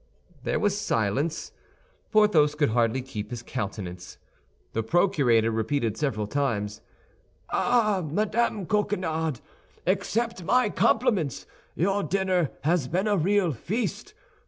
There was silence. Porthos could hardly keep his countenance. The procurator repeated several times, "Ah, Madame Coquenard! Accept my compliments; your dinner has been a real feast.